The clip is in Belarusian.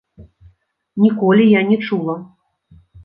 Ніколі я не чула.